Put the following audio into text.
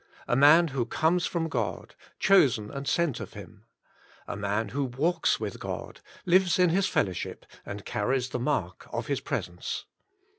A man who comes from God, chosen and sent of Him. A man who walks with God, lives in His fellowship and carries the mark of His presence.